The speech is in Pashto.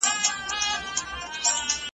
نه بلبل سوای ځان پخپله مړولای .